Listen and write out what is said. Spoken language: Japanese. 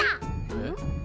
えっ？